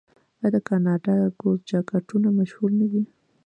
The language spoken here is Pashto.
آیا د کاناډا ګوز جاکټونه مشهور نه دي؟